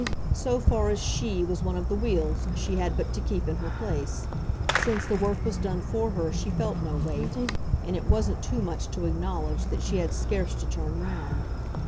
So far as SHE was one of the wheels she had but to keep in her place; since the work was done for her she felt no weight, and it wasn't too much to acknowledge that she had scarce to turn round.